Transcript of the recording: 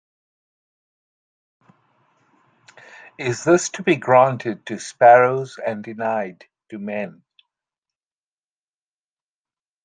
Is this to be granted to sparrows and denied to men?